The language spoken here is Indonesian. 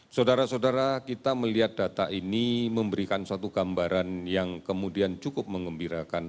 saudara saudara kita melihat data ini memberikan suatu gambaran yang kemudian cukup mengembirakan